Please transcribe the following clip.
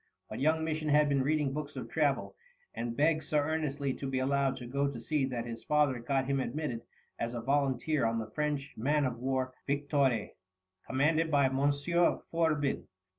But young Misson had been reading books of travel, and begged so earnestly to be allowed to go to sea that his father got him admitted as a volunteer on the French man of war Victoire, commanded by Monsieur Fourbin.